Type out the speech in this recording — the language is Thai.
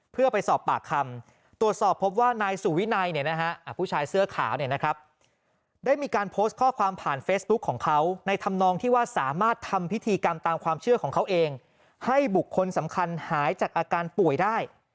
เพื่อไปสอบปากคำตรวจสอบพบว่านายสุวินัยผู้ชายเสื้อขาวเนี่ยนะครับได้มีการโพสต์ข้อความผ่านเฟซบุ๊คของเขาในธรรมนองที่ว่าสามารถทำพิธีกรรมตามความเชื่อของเขาเองให้บุคคลสำคัญหายจากอาการป่วยได้